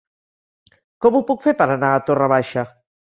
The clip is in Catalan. Com ho puc fer per anar a Torre Baixa?